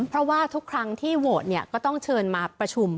เพราะว่าทุกครั้งที่โหวตเนี่ยก็ต้องเชิญมาประชุม